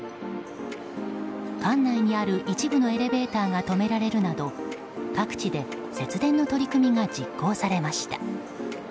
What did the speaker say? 館内にある一部のエレベーターが止められるなど各地で節電の取り組みが実行されました。